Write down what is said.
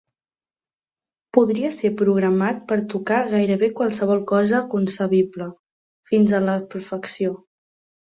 Podia ser programat per tocar gairebé qualsevol cosa concebible, fins a la perfecció.